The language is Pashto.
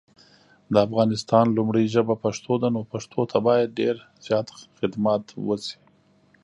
د افغانستان لومړی ژبه پښتو ده نو پښتو ته باید دیر زیات خدمات وشي